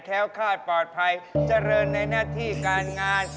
้วคาดปลอดภัยเจริญในหน้าที่การงาน